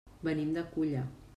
Venim de Culla.